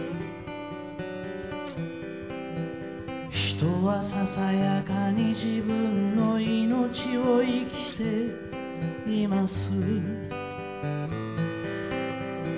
「人はささやかに自分の生命を生きています」